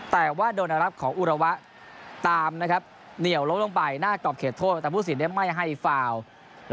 แต่ว่าโดนอารับของอุระวะตามเนี่ยวลงไปหน้ากรอบเขตโทษแต่ผู้สินได้ไม่ให้ฟาล์ล